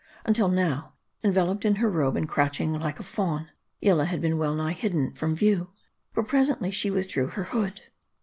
UNTIL now, enveloped in her robe, and crouching like a fawn, Yillah had been well nigh hidden from view. But presently she withdrew her hood.